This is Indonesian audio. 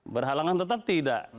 berhalangan tetap tidak